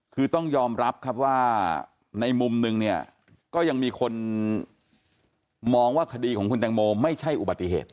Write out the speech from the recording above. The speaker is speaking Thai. คือต้องยอมรับครับว่าในมุมนึงเนี่ยก็ยังมีคนมองว่าคดีของคุณแตงโมไม่ใช่อุบัติเหตุ